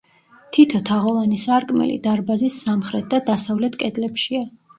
თითო თაღოვანი სარკმელი დარბაზის სამხრეთ და დასავლეთ კედლებშია.